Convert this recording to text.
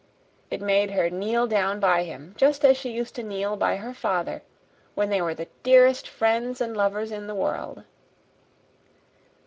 It made her kneel down by him, just as she used to kneel by her father when they were the dearest friends and lovers in the world.